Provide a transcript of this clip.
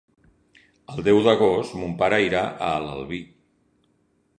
El deu d'agost mon pare irà a l'Albi.